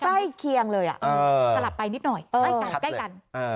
ใกล้เคียงเลยอ่ะตลับไปนิดหน่อยใกล้กัน